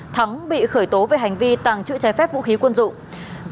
thắng bị khởi tố về hành vi tàng trữ trái phép vũ khí quân dụng